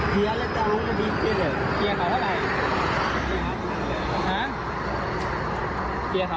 เคลียร์แล้วกับดิเกเลยเคลียร์ของเขาอะไร